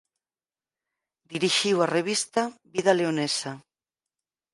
Dirixiu a revista "Vida Leonesa".